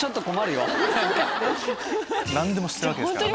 何でも知ってるわけですからね。